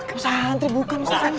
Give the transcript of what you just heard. eh santri bukan ustadz